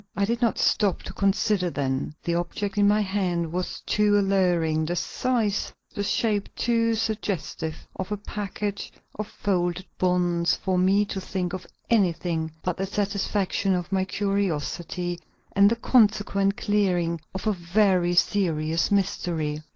I did not stop to consider then. The object in my hand was too alluring; the size, the shape too suggestive of a package of folded bonds for me to think of anything but the satisfaction of my curiosity and the consequent clearing of a very serious mystery.